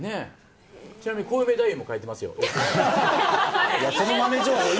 ちなみに、コウメ太夫も書いてますよ。